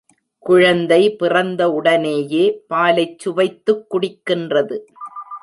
குழந்தை பிறந்த உடனேயே பாலைச் சுவைத்துக் குடிக்கின்றது.